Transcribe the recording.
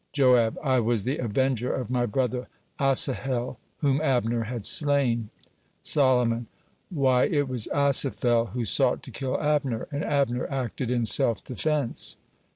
Joab: "I was the avenger of my brother Asahel, whom Abner had slain." Solomon: "Why, it was Asahel who sought to kill Abner, and Abner acted in self defense."